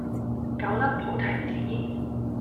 九粒菩提子